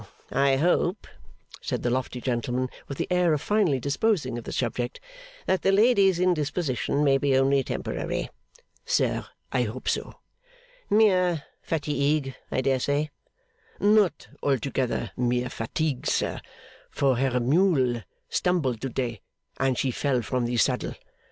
I hope,' said the lofty gentleman, with the air of finally disposing of the subject, 'that the lady's indisposition may be only temporary.' 'Sir, I hope so.' 'Mere fatigue, I dare say.' 'Not altogether mere fatigue, sir, for her mule stumbled to day, and she fell from the saddle.